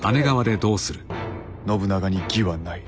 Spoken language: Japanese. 信長に義はない。